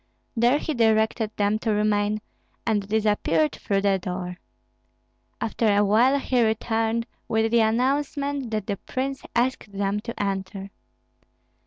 There he directed them to remain, and disappeared through the door. After a while he returned with the announcement that the prince asked them to enter.